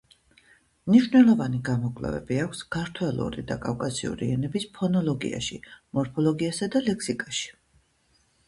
მნიშვნელოვანი გამოკვლევები აქვს ქართველური და კავკასიური ენების ფონოლოგიაში, მორფოლოგიასა და ლექსიკაში.